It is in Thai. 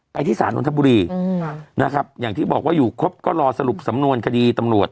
ที่สารนทบุรีนะครับอย่างที่บอกว่าอยู่ครบก็รอสรุปสำนวนคดีตำรวจ